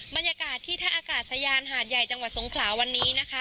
บรรยากาศที่ท่าอากาศยานหาดใหญ่จังหวัดสงขลาวันนี้นะคะ